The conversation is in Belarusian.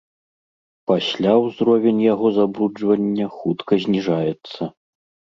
Пасля ўзровень яго забруджвання хутка зніжаецца.